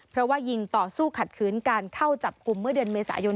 เพราะว่ายิงต่อสู้ขัดขืนการเข้าจับกลุ่มเมื่อเดือนเมษายน